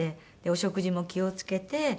お食事も気を付けて。